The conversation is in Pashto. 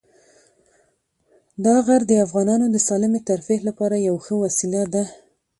دا غر د افغانانو د سالمې تفریح لپاره یوه ښه وسیله ده.